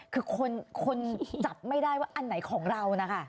คือคนจับไม่ได้ว่าอันไหนของเรานะคะ